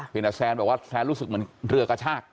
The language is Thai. เป็นแต่แซนบอกว่าแซนรู้สึกเหมือนเรือกระชาก